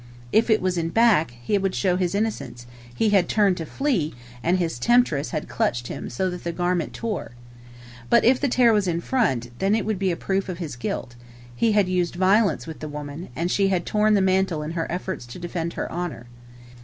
If it was in back, it would show his innocence—he had turned to flee, and his temptress had clutched him so that the garment tore. But if the tear was in front, then it would be a proof of his guilt—he had used violence with the woman, and she had torn the mantle in her efforts to defend her honor.